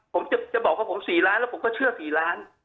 ผมจะบอกว่าผม๔ล้านแล้วผมก็เชื่อ๔ล้าน